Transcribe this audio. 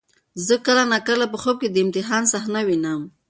زه کله ناکله په خوب کې د امتحان صحنه وینم.